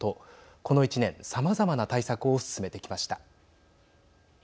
この１年、さまざまな対策を進めてきました。